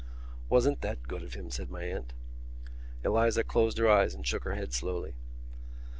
"Wasn't that good of him?" said my aunt. Eliza closed her eyes and shook her head slowly.